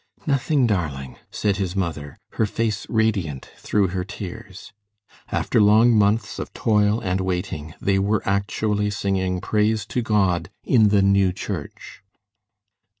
"Nothing, darling," said his mother, her face radiant through her tears. After long months of toil and waiting, they were actually singing praise to God in the new church.